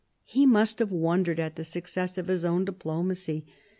He must have wondered at the success of his own diplomacy.